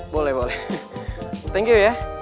boleh boleh thank you ya